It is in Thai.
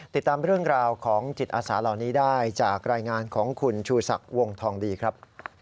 ติดตามเรื่องราวของจิตอาสาเหล่านี้ได้จากรายงานของคุณชูศักดิ์วงทองดีครับ